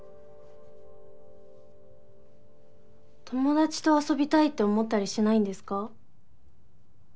友達と遊びたいって思ったりしないんですか？